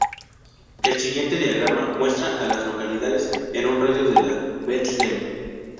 El siguiente diagrama muestra a las localidades en un radio de de Bethlehem.